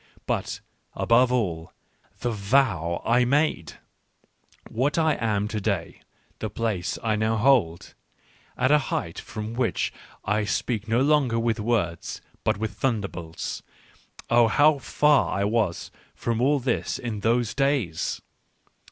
But, above all, the vow I made I What I am to \ day, the place I now hold — at a height from which I speak no longer with words but with thunderbolts 1 — oh, how far I was from all this in those days